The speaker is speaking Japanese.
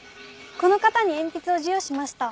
この方に鉛筆を授与しました。